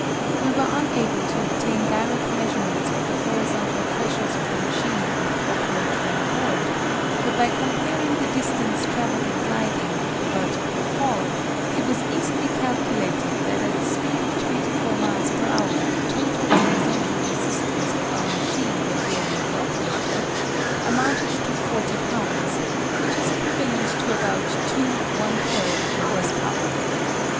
We were unable to obtain direct measurements of the horizontal pressures of the machine with the operator on board, but by comparing the distance traveled in gliding with the vertical fall, it was easily calculated that at a speed of 24 miles per hour the total horizontal resistance of our machine when bearing the operator, amounted to 40 lbs., which is equivalent to about 2 1/3 horse power.